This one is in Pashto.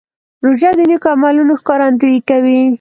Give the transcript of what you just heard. روژه د نیکو عملونو ښکارندویي کوي.